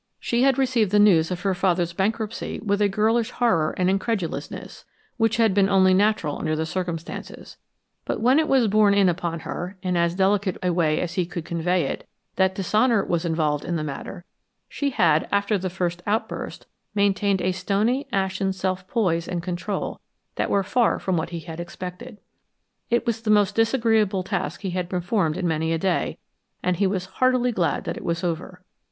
She had received the news of her father's bankruptcy with a girlish horror and incredulousness which had been only natural under the circumstances; but when it was borne in upon her, in as delicate a way as he could convey it, that dishonor was involved in the matter, she had, after the first outburst, maintained a stony, ashen self poise and control that were far from what he had expected. It was the most disagreeable task he had performed in many a day and he was heartily glad that it was over.